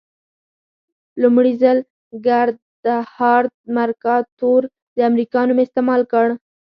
لومړي ځل ګردهارد مرکاتور د امریکا نوم استعمال کړ.